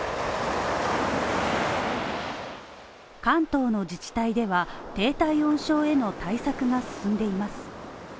関東の自治体では低体温症への対策が進んでいます。